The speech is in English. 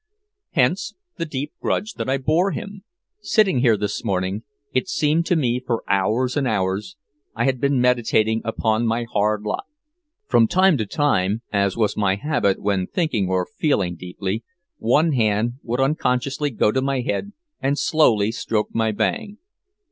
Hence the deep grudge that I bore him. Sitting here this morning, it seemed to me for hours and hours, I had been meditating upon my hard lot. From time to time, as was my habit when thinking or feeling deeply, one hand would unconsciously go to my head and slowly stroke my bang.